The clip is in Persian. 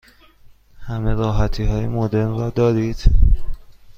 همه راحتی های مدرن را دارید؟